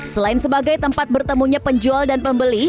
selain sebagai tempat bertemunya penjual dan pembeli